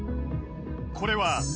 ［これは］